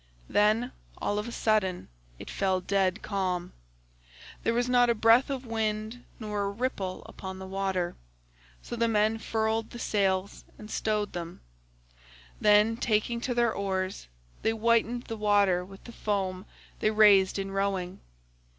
Then all of a sudden it fell dead calm; there was not a breath of wind nor a ripple upon the water, so the men furled the sails and stowed them; then taking to their oars they whitened the water with the foam they raised in rowing.